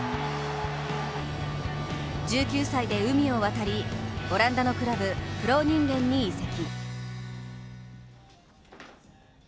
１９歳で海を渡りオランダのクラブ、フローニンゲンに移籍。